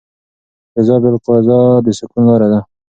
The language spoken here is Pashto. رضا بالقضا د سکون لاره ده.